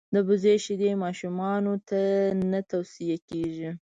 دبزې شیدي ماشومانوته نه تو صیه کیږي.